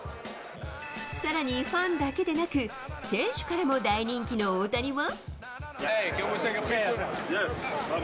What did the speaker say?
さらにファンだけでなく、選手からも大人気の大谷は。